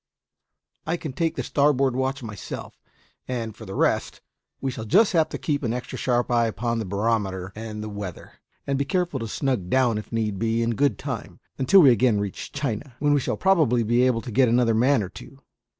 I can take the starboard watch myself; and, for the rest, we shall just have to keep an extra sharp eye upon the barometer and the weather, and be careful to snug down if need be in good time, until we again reach China, when we shall probably be able to get another man or two."